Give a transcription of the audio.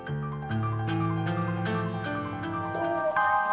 akan kita ber representa bagaimana